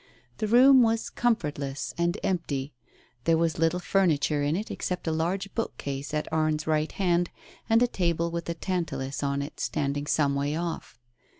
The room was comfortless and empty, there was little furniture in it except a large bookcase at Arne's right hand and a table with a Tantalus on it standing some way off.